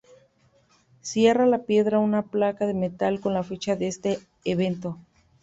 Cierra la piedra una placa de metal con la fecha de este evento.